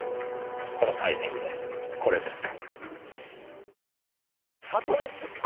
このタイミングでこれですか。